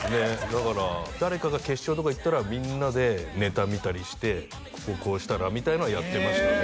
だから誰かが決勝とか行ったらみんなでネタ見たりして「こここうしたら？」みたいなのはやってましたね